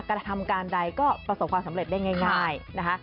กระทำการใดก็ประสบความสำเร็จได้ง่ายนะคะ